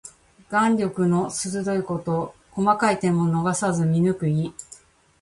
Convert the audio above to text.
眼力の鋭いこと。細かい点も逃さず見抜く意。